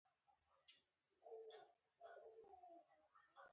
هغه باید د افغانستان نوم اورېدلی وي.